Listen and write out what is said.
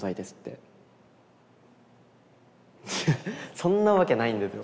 そんなわけないんですよ。